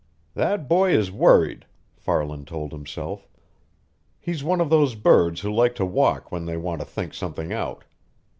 "That boy is worried," Farland told himself. "He's one of those birds who like to walk when they want to think something out.